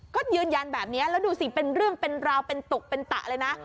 ก็ยืนยันแบบนี้แล้วดูสิเป็นเรื่องเป็นราวเป็นตกเป็นตะเลยนะ